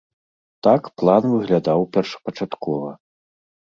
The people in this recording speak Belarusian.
Так план выглядаў першапачаткова.